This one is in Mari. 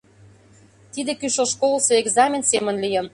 Тиде кӱшыл школысо экзамен семын лийын.